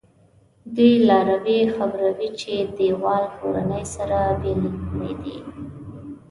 دوی لاروی خبروي چې دیوال کورنۍ سره بېلې کړي دي.